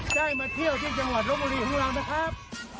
ได้มาเที่ยวที่จังหวัดลบบุรีของเรานะครับ